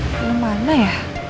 belum ada ya